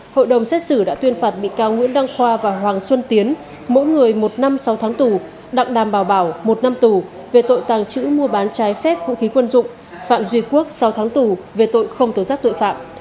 hội đồng xét xử đã tuyên phạt bị cáo nguyễn đăng khoa và hoàng xuân tiến mỗi người một năm sáu tháng tù đặng đàm bảo bảo một năm tù về tội tàng trữ mua bán trái phép vũ khí quân dụng phạm duy quốc sáu tháng tù về tội không tổ giác tội phạm